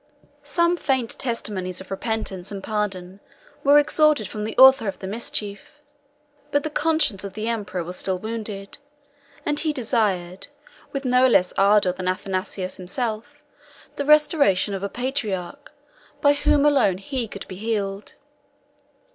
Some faint testimonies of repentance and pardon were extorted from the author of the mischief; but the conscience of the emperor was still wounded, and he desired, with no less ardor than Athanasius himself, the restoration of a patriarch, by whom alone he could be healed.